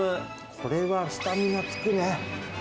これはスタミナつくね。